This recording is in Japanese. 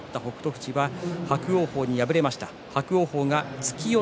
富士は、伯桜鵬に敗れました。